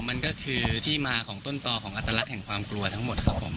มันก็คือที่มาของต้นต่อของอัตลักษณ์แห่งความกลัวทั้งหมดครับผม